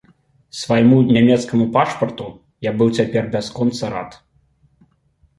Свайму нямецкаму пашпарту я быў цяпер бясконца рад.